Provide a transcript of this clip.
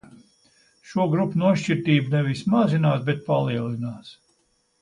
Šo grupu nošķirtība nevis mazinās, bet palielinās.